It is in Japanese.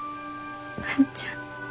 万ちゃん。